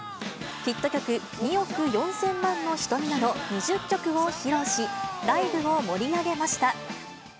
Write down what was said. ヒット曲、２億４千万の瞳など、２０曲を披露し、ライブを盛り上げました。